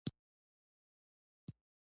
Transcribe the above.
ازادي راډیو د اټومي انرژي د ستونزو رېښه بیان کړې.